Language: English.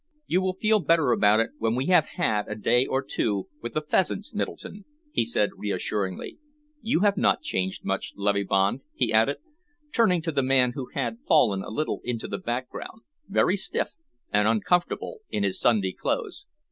"You will feel better about it when we have had a day or two with the pheasants, Middleton," he said reassuringly. "You have not changed much, Loveybond," he added, turning to the man who had fallen a little into the background, very stiff and uncomfortable in his Sunday clothes.